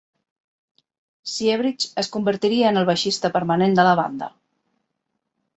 Siebricht es convertiria en el baixista permanent de la banda.